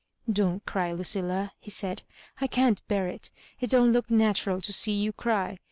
" Don't cry, LuciUa," he said, " I cant bear it. It don't look natural to see you cry.